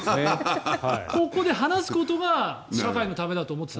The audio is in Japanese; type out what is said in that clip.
ここで話すことが社会のためになると思ってた。